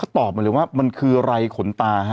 ตอบมาเลยว่ามันคือไรขนตา